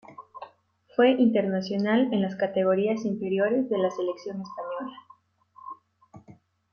Fue internacional en las categorías inferiores de la selección española.